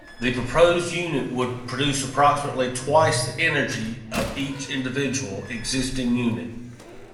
The proposed unit would produce approximately twice the energy of each individual existing unit.